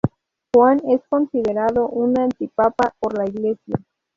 Juan es considerado un antipapa por la Iglesia.